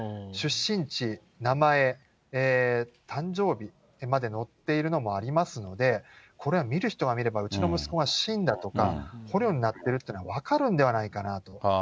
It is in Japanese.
出身地、名前、誕生日まで載っているのもありますので、これは見る人が見れば、うちの息子が死んだとか、捕虜になってるというのが分かるんではないかと。